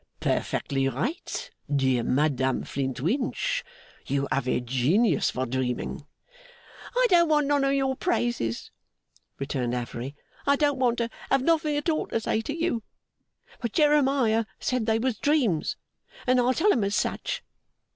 'Perfectly right, dear Madame Flintwinch. You have a genius for dreaming.' 'I don't want none of your praises,' returned Affery. 'I don't want to have nothing at all to say to you. But Jeremiah said they was dreams, and I'll tell 'em as such!